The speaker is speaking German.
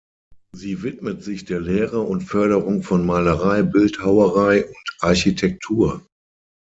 Sie widmet sich der Lehre und Förderung von Malerei, Bildhauerei und Architektur.